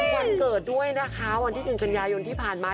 วันเกิดด้วยนะคะวันที่๑กันยายนที่ผ่านมา